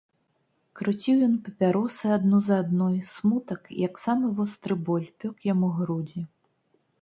Круціў ён папяросы адну за адной, смутак, як самы востры боль, пёк яму грудзі.